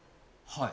はい。